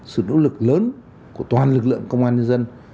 sự nỗ lực lớn của toàn lực lượng công an nhân dân